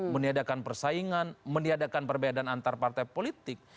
meniadakan persaingan meniadakan perbedaan antar partai politik